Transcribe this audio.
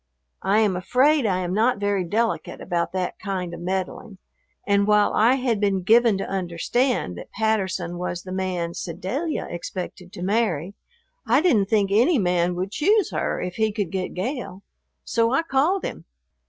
I am afraid I am not very delicate about that kind of meddling, and while I had been given to understand that Patterson was the man Sedalia expected to marry, I didn't think any man would choose her if he could get Gale, so I called him.